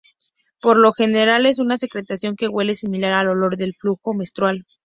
Por lo general, es una secreción que huele similar al olor del flujo menstrual.